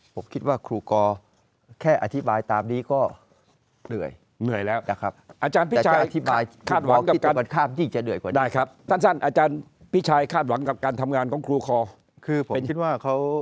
ผมคิดว่าครูกอแค่อธิบายตามนี้ก็เหนื่อยเหนื่อยแล้วนะครับอาจารย์พี่ชายคาดหวังกับการทำงานของครูคอคือผมคิดว่าเขา